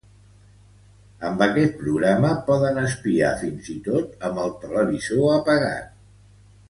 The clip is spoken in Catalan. Amb aquest programa poden espiar fins i tot amb el televisor apagat.